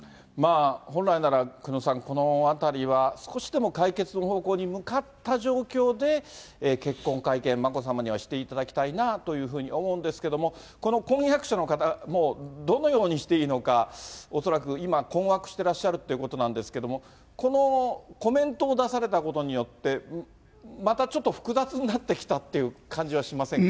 本来なら久能さん、このあたりは少しでも解決の方向に向かった状況で、結婚会見、眞子さまにはしていただきたいなと思うんですけども、この婚約者の方も、どのようにしていいのか、恐らく今、困惑してらっしゃるということなんですけれども、このコメントを出されたことによって、またちょっと複雑になってきたっていう感じはしませんか。